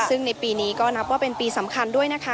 ซึ่งในปีนี้ก็นับว่าเป็นปีสำคัญด้วยนะคะ